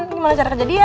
gimana cara kejadian